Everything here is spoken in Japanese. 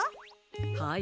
はい。